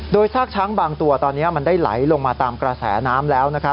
โดยซากช้างบางตัวตอนนี้มันได้ไหลลงมาตามกระแสน้ำแล้ว